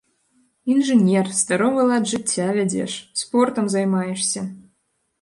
Інжынер, здаровы лад жыцця вядзеш, спортам займаешся.